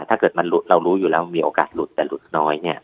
ถ้าเกิดมันหลุดเรารู้อยู่แล้วมีโอกาสหลุดแต่หลุดน้อยเนี่ย